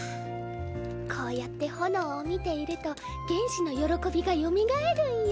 こうやって炎を見ていると原始の喜びがよみがえるんよ。